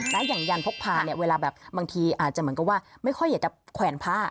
แต่อย่างยันทร์พกพาบางทีอาจจะเหมือนกับว่าไม่ค่อยอยากจะแขวนผ้า